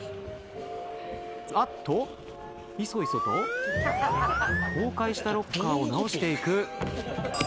あっといそいそと崩壊したロッカーを直していく。